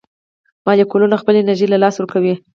مالیکولونه خپله انرژي له لاسه ورکوي.